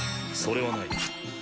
それはない。